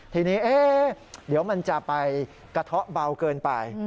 ทีนี้เดี๋ยวมันจะไปกระเทาะเบาเกินไป